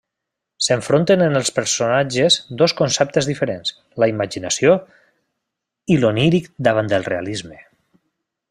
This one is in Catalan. S'enfronten en els personatges dos conceptes diferents: la imaginació i l'oníric davant el realisme.